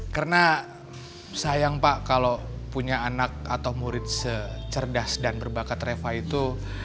karena sayang pak kalau punya anak atau murid secerdas dan berbakat reva itu